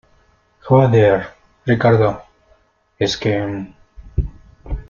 joder, Ricardo , es que...